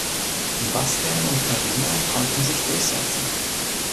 Bastian und Carina konnten sich durchsetzen.